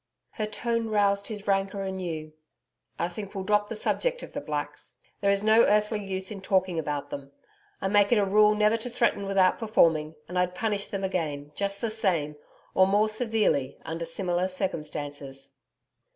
Her tone roused his rancour anew. 'I think we'll drop the subject of the Blacks; there is no earthly use in talking about them, I make it a rule never to threaten without performing, and I'd punish them again, just the same or more severely under similar circumstances.'